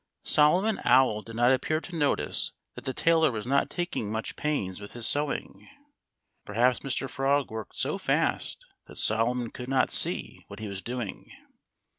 Solomon Owl did not appear to notice that the tailor was not taking much pains with his sewing. Perhaps Mr. Frog worked so fast that Solomon could not see what he was doing.